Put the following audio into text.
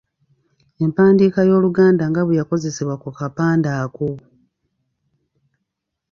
Empandiika y’Oluganda nga bwe yakozesebwa ku kapande ako.